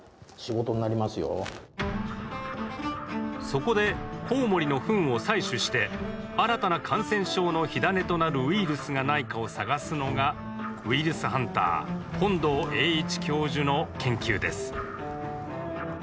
そこでコウモリのフンを採取して新たな感染症の火種となるウイルスがないかを探すのがウイルスハンター本道栄一教授の研究です